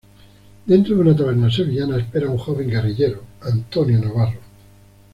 Dentro de una taberna sevillana espera un joven guerrillero, Antonio Navarro.